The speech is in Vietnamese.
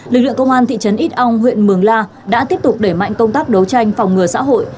lực lượng công an thị trấn ít ong huyện mường la đã tiếp tục đẩy mạnh công tác đấu tranh phòng ngừa xã hội